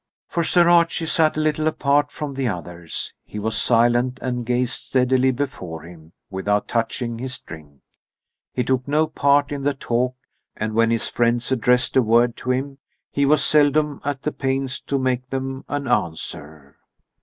For Sir Archie sat a little apart from the others. He was silent and gazed steadily before him, without touching his drink. He took no part in the talk, and when his friends addressed a word to him, he was seldom at the pains to make them an answer.